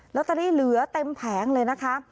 ตเตอรี่เหลือเต็มแผงเลยนะคะ